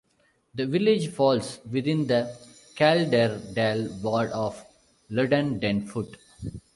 The village falls within the Calderdale Ward of Luddendenfoot.